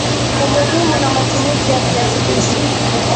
Umuhimu na Matumizi ya Viazi lishe